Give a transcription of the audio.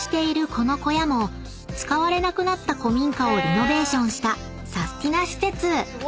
この小屋も使われなくなった古民家をリノベーションしたサスティな！施設］